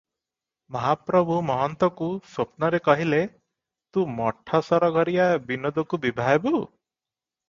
ମହାପ୍ରଭୁ ମହନ୍ତକୁ ସ୍ୱପ୍ନରେ କହିଲେ, 'ତୁ ମଠ ସରଘରିଆ ବିନୋଦକୁ ବିଭା ହେବୁ ।"